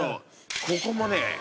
ここもね。